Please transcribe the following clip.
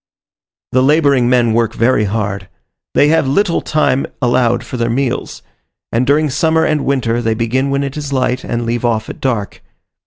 The labouring men work very hard. They have little time allowed for their meals, and during summer and winter they begin when it is light, and leave off at dark.